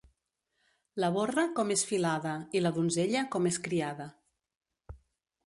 La borra, com és filada, i la donzella, com és criada.